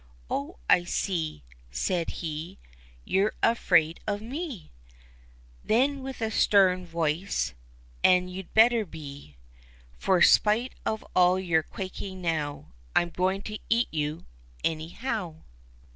" Oh, I see !" said he. " You're afraid of me !" Then with a stern voice: "And you'd better be — For spite of all your quaking now I'm going to eat you anyhow